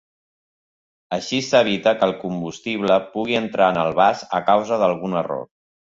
Així s'evita que el combustible pugui entrar en el vas a causa d'algun error.